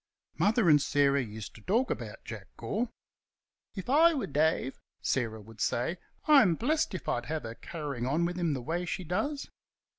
Mother and Sarah used to talk about Jack Gore. "If I were Dave," Sarah would say, "I'm blest if I'd have her carrying on with him the way she does."